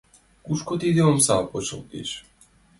Кушко тиде омса почылтеш?